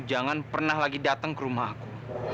jangan pernah lagi datang ke rumah aku